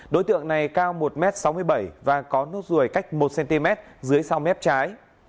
đối tượng này cao một m sáu mươi bảy và có nốt ruồi cách một cm dưới sau mép trái